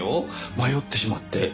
迷ってしまって。